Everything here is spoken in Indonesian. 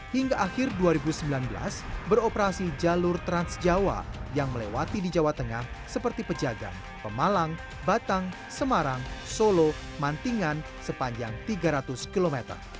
hingga akhir dua ribu sembilan belas beroperasi jalur transjawa yang melewati di jawa tengah seperti pejagaan pemalang batang semarang solo mantingan sepanjang tiga ratus km